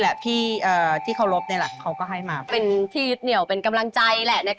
ลูบและก็เป็นคนเดียวกันนิดหน่อย